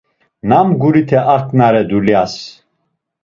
Nam gurite aǩnare dulyas!